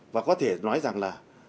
và có thể nói rằng là